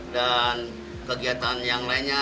dan kegiatan yang lainnya